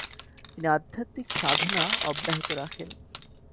তিনি আধ্যাত্মিক সাধনা অব্যাহত রাখেন।